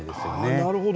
なるほど。